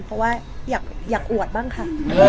เพราะว่าอยากอวดบ้างค่ะ